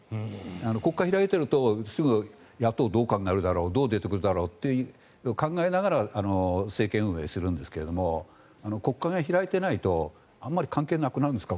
国会を開いているとすぐ野党どうかなるだろうどう出てくるだろうって考えながら政権運営するんですが国会が開いてないとあまり関係なくなるんです。